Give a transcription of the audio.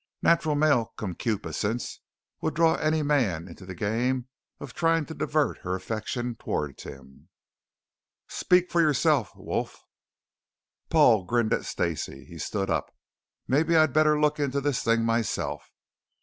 Natural male concupiscence would draw any man into the game of trying to divert her affection towards himself." "Speak for yourself, wolf." Paul grinned at Stacey. He stood up. "Maybe I'd better look into this thing myself.